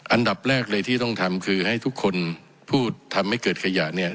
อันดับแรกเลยที่ต้องทำคือให้ทุกคนพูดทำให้เกิดขยะเนี่ย